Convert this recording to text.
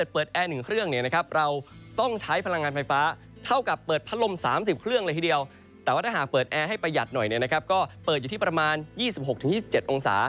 ประหยัดหน่อยก็เปิดอยู่ที่ประมาณ๒๖๒๗องศา